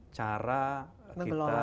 cara kita membelonggarkan